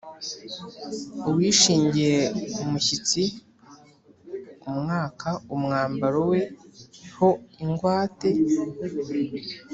uwishingiye umushyitsi umwaka umwambaro we ho ingwate